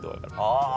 ああ。